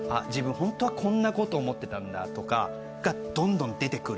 本当はこんなこと思ってたんだとかがどんどん出てくる